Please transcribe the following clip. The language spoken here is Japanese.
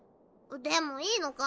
でもいいのか？